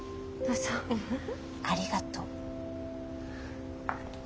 ありがとう。